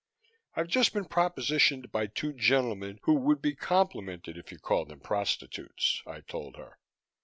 "I've just been propositioned by two gentlemen who would be complimented if you called them prostitutes," I told her.